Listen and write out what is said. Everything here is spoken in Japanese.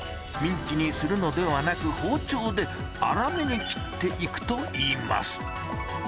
ミンチにするのではなく、包丁で粗めに切っていくといいます。